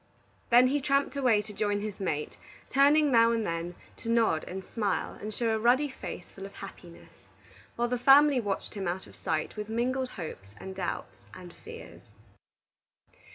Then he tramped away to join his mate, turning now and then to nod and smile and show a ruddy face full of happiness, while the family watched him out of sight with mingled hopes and doubts and fears.